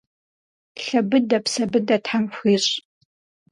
Лъэ быдэ, псэ быдэ Тхьэм фхуищӏ!